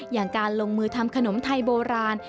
อย่างการลงมือทำขนมไทยโบราณ